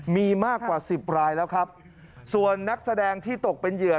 มีมากกว่าสิบรายแล้วครับส่วนนักแสดงที่ตกเป็นเหยื่อ